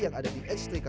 iya makin spesifik sih ya